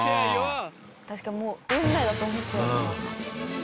確かにもう運命だと思っちゃうな。